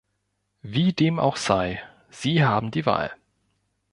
Wie dem auch sei, Sie haben die Wahl.